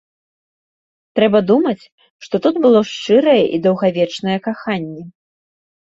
Трэба думаць, што тут было шчырае і даўгавечнае каханне.